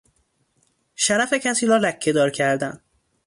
شرف کسی را لکه دار کردن